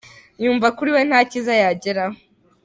Yumva kuri we nta cyiza yageraho.